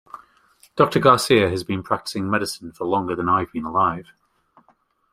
Doctor Garcia has been practicing medicine for longer than I have been alive.